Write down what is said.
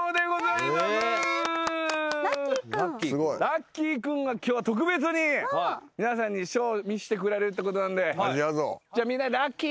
ラッキィ君が今日は特別に皆さんにショーを見してくれるってことなんでじゃあみんなで「ラッキィ」って呼びましょう。